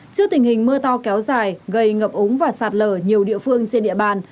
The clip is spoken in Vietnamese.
trước tình hình mưa to kéo dài gây ngập ống và sạt lở nhiều địa phương trên địa bàn